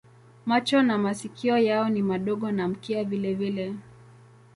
Macho na masikio yao ni madogo na mkia vilevile.